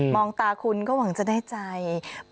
องตาคุณก็หวังจะได้ใจ